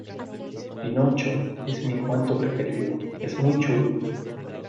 pinocho. es mi cuento preferido . es muy chulo .